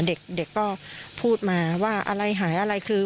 เด็กก็พูดมาว่าอะไรหายอะไรคือ